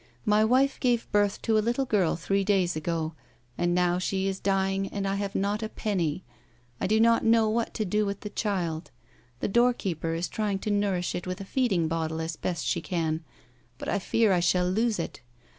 My wife gave birth to a little girl three days ago, and now she is dying and I have not a penny. I do not know what to do with the child ; the doorkeeper is trying to nourish it with a feeding bottle as best she can, but I fear I shall lose it.